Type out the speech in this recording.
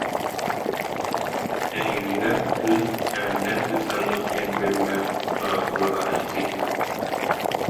Эһиилигэр кыыс Сэмэнтэн кыыстаммыт диэн үөрүүлээх сурах ыал аайы киирбитэ